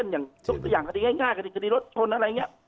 อย่างคดีง่ายคดีรถชนอะไรอย่างนี้